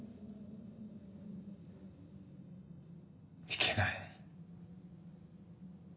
いけない。